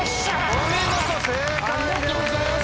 お見事正解です。